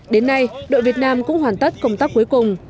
đến nay đội việt nam cũng hoàn tất công tác cuối cùng